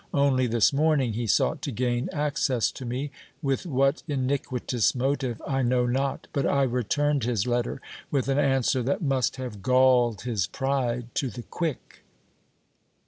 Only this morning he sought to gain access to me, with what iniquitous motive I know not; but I returned his letter, with an answer that must have galled his pride to the quick!"